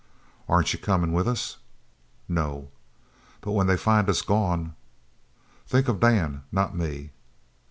"Aren't you coming with us?" "No." "But when they find us gone?" "Think of Dan not me!"